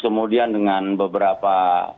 kemudian dengan beberapa